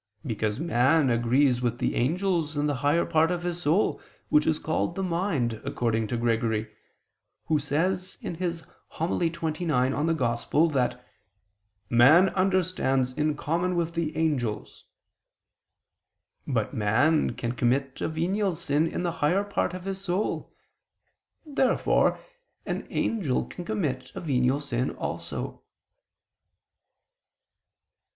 Because man agrees with the angels in the higher part of his soul which is called the mind, according to Gregory, who says (Hom. xxix in Evang.) that "man understands in common with the angels." But man can commit a venial sin in the higher part of his soul. Therefore an angel can commit a venial sin also.